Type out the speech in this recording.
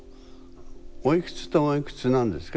おいくつとおいくつなんですか？